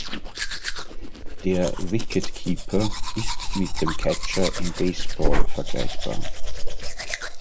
Der Wicket-Keeper ist mit dem Catcher im Baseball vergleichbar.